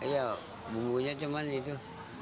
ya bumbunya cuma itu